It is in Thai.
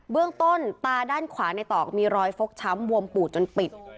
เรื่องต้นตาด้านขวาในตอกมีรอยฟกช้ำบวมปูดจนปิด